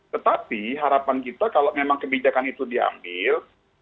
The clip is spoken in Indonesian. tetapi harapan kita kalau memang kebijakan itu diambil